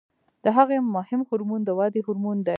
د هغې مهم هورمون د ودې هورمون دی.